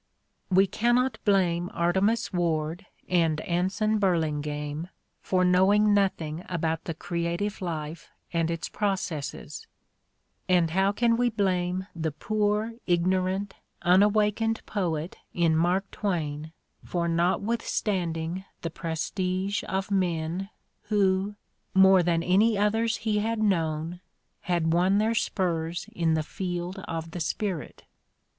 We cannot blame Artemus Ward and Anson Burlingame for knowing nothing about the creative life and its processes; and how can we blame the poor, ignorant, unawakened poet in Mark Twain for not withstanding the prestige of men who, more than any others he had known, had won their spurs in the field of the spirit